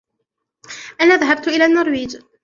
أنا ذهبت إلى النرويج.